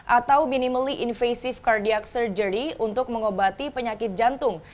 atau minimally invasive cardiac surgery untuk mengobati penyakit jantung